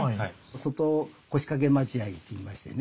外腰掛待合って言いましてね